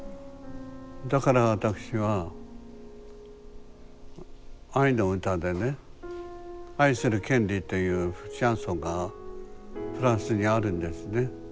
だから私は愛の歌でね「愛する権利」っていうシャンソンがフランスにあるんですね。